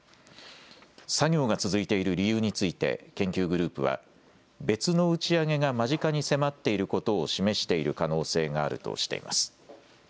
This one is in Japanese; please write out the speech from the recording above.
作業が続いている理由について研究グループは別の打ち上げが間近に迫っていることを示している可能性があるとしています。